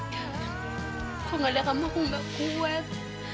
kalau nggak ada kamu aku nggak kuat